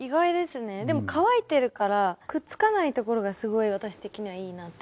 でも乾いてるからくっつかないところがすごい私的にはいいなって。